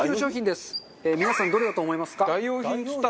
皆さんどれだと思いますか？